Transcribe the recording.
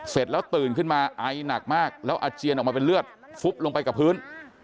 เสร็จแล้วตื่นขึ้นมาไอหนักมากแล้วอาเจียนออกมาเป็นเลือดฟุบลงไปกับพื้น